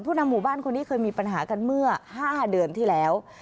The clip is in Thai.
นำหมู่บ้านคนนี้เคยมีปัญหากันเมื่อ๕เดือนที่แล้ว